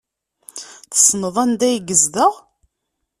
Tessneḍ anda ay yezdeɣ?